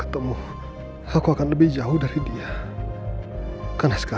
itu mata yang paling emaminet escrater ya